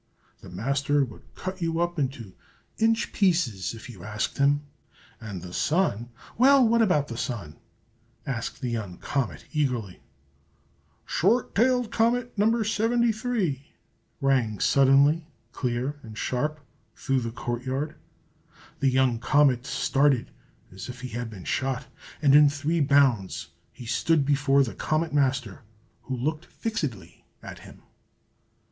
The Master would cut you up into inch pieces if you asked him, and the Sun " "Well, what about the Sun?" asked the young comet, eagerly. "Short tailed Comet No. 73!" rang suddenly, clear and sharp, through the court yard. The young comet started as if he had been shot, and in three bounds he stood before the Comet Master, who looked fixedly at him.